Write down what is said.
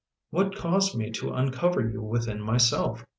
" What caused me to uncover you within myself?